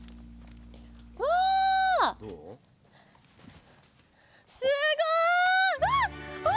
わすごい！